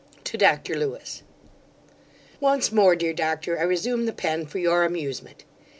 To Dr LEWIS. Once more, dear doctor, I resume the pen for your amusement.